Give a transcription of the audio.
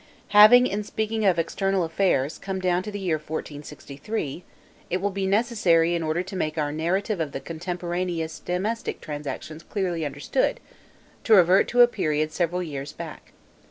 Having, in speaking of external affairs, come down to the year 1463, it will be necessary in order to make our narrative of the contemporaneous domestic transactions clearly understood, to revert to a period several years back.